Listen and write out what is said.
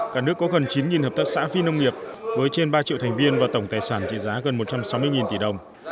cả nước có gần chín hợp tác xã phi nông nghiệp với trên ba triệu thành viên và tổng tài sản trị giá gần một trăm sáu mươi tỷ đồng